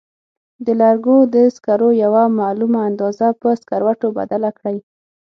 د لرګو د سکرو یوه معلومه اندازه په سکروټو بدله کړئ.